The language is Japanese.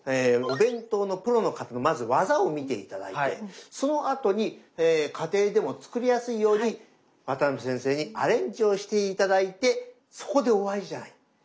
お弁当のプロの方のまず技を見て頂いてそのあとに家庭でも作りやすいように渡辺先生にアレンジをして頂いてそこで終わりじゃない。